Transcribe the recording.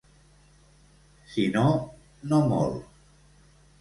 Si no, no mol.